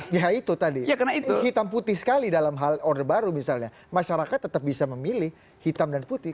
ya itu tadi hitam putih sekali dalam hal order baru misalnya masyarakat tetap bisa memilih hitam dan putih